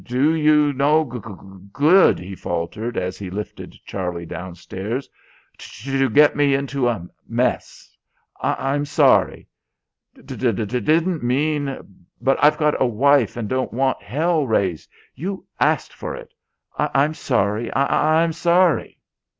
"D d do you no g g good," he faltered as he lifted Charlie downstairs, "t to get me into a mess. I'm sorry. D d didn't mean.... But I've got a wife and don't want hell raised.... You asked for it.... I'm sorry. I'm sorry...."